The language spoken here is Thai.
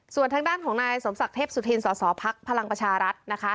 ส่วนทางด้านของนายสมศักดิ์เทพสุธินสสพลังประชารัฐนะคะ